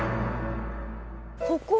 ここ？